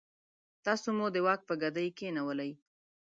تاسو مو د واک په ګدۍ کېنولئ.